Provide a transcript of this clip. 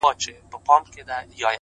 ستا په سونډو کي دي يو عالم چوپتياوې!!